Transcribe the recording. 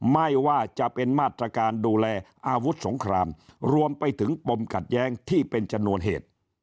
ไม่ว่าจะเป็นมาตรการดูแลอาวุธสงครามรวมไปถึงปมขัดแย้งที่เป็นชนวนเหตุ